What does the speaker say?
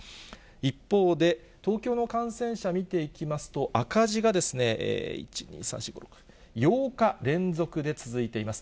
一方で、東京都の感染者見ていきますと、赤字が１、２、３、４、５、６、８日連続で続いています。